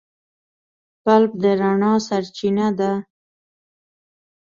بلب د رڼا سرچینه ده.